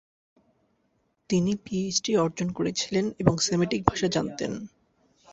তিনি পিএইচডি অর্জন করেছিলেন এবং সেমেটিক ভাষা শেখাতেন।